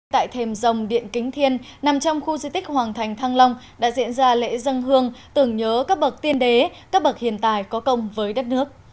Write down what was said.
tại thềm dòng điện kính thiên nằm trong khu di tích hoàng thành thăng long đã diễn ra lễ dân hương tưởng nhớ các bậc tiên đế các bậc hiện tài có công với đất nước